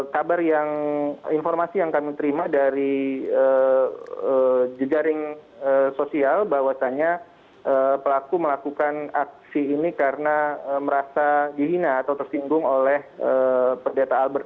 kabar yang informasi yang kami terima dari jejaring sosial bahwasannya pelaku melakukan aksi ini karena merasa dihina atau tersinggung oleh pendeta albert